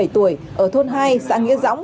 ba mươi bảy tuổi ở thôn hai xã nghĩa dõng